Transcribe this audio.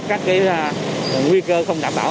các cái nguy cơ không đảm bảo